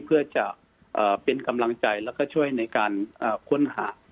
เพื่อจะเป็นกำลังใจแล้วก็ช่วยในการค้นหา